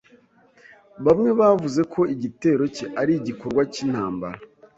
Bamwe bavuze ko igitero cye ari igikorwa cyintambara.